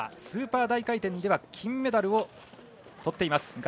スーパー大回転では金メダルをとっています。